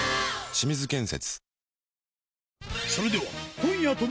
清水建設